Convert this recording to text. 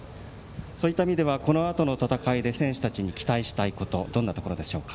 そういった意味ではこのあとの戦いで選手たちに期待したいところはどんなところでしょうか。